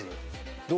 どう？